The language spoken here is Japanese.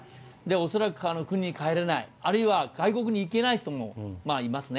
恐らく国に帰れない、あるいは外国に行けない人もいますね。